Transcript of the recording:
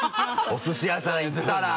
お寿司屋さん行ったら。